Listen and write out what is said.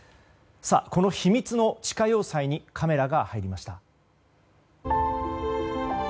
この秘密の地下要塞にカメラが入りました。